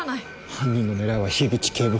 犯人の狙いは口警部補。